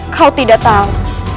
kau tidak tahu